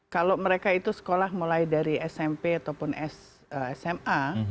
kalau mereka itu sekolah mulai dari smp ataupun sma